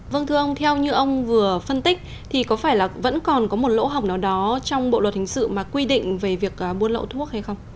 vâng thưa ông theo như ông vừa phân tích thì có phải là vẫn còn có một lỗ hỏng nào đó trong bộ luật hình sự mà quy định về việc buôn lậu thuốc hay không